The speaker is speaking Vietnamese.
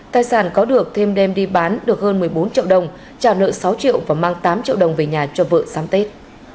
tài sản có được thêm đem đi bán được hơn một mươi bốn triệu đồng trả nợ sáu triệu và mang tám triệu đồng về nhà cho vợ sáng tết